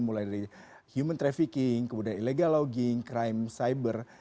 mulai dari human trafficking kemudian illegal logging crime cyber